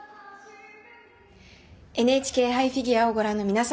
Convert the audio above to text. ＮＨＫ杯フィギュアをご覧の皆様